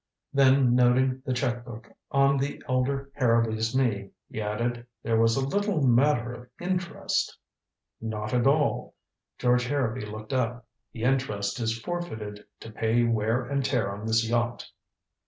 Then, noting the check book on the elder Harrowby's knee, he added: "There was a little matter of interest " "Not at all!" George Harrowby looked up. "The interest is forfeited to pay wear and tear on this yacht."